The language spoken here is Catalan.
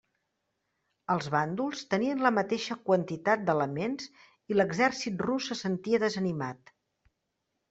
Els bàndols tenien la mateixa quantitat d'elements i l'exèrcit rus se sentia desanimat.